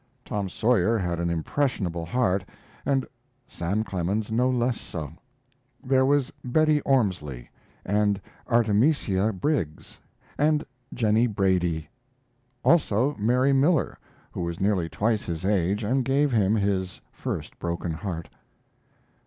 Tom Sawyer had an impressionable heart, and Sam Clemens no less so. There was Bettie Ormsley, and Artemisia Briggs, and Jennie Brady; also Mary Miller, who was nearly twice his age and gave him his first broken heart.